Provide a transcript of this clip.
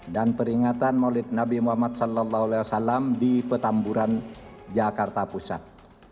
dan peringatan maulid nabi muhammad saw di petamburan jakarta pusat